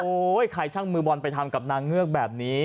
ใครช่างมือบอลไปทำกับนางเงือกแบบนี้